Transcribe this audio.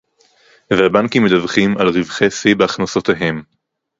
והבנקים מדווחים על רווחי שיא בהכנסותיהם